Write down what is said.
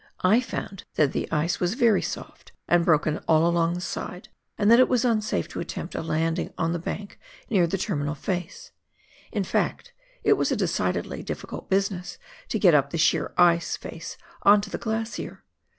I found that the ice was very soft and broken all along the side, and that it was unsafe to attempt a landing on the bank near the terminal face ; in fact, it was a decidedly difficult business to get up the sheer ice face on to the glacier.